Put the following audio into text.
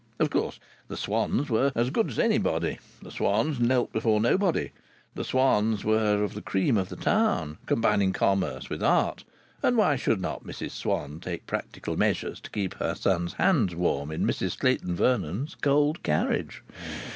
Of course, the Swanns were "as good as anybody." The Swanns knelt before nobody. The Swanns were of the cream of the town, combining commerce with art, and why should not Mrs Swann take practical measures to keep her son's hands warm in Mrs Clayton Vernon's cold carriage?